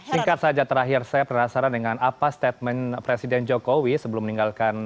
singkat saja terakhir saya penasaran dengan apa statement presiden jokowi sebelum meninggalkan